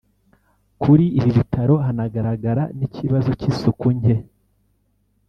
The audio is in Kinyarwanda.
Kuri ibi bitaro hanagaragara n’ikibazo cy’isuku nke